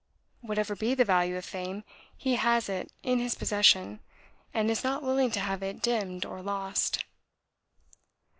Whatever be the value of fame, he has it in his possession, and is not willing to have it dimmed or lost.